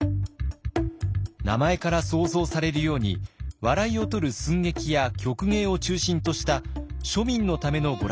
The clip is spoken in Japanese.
名前から想像されるように笑いをとる寸劇や曲芸を中心とした庶民のための娯楽だったのです。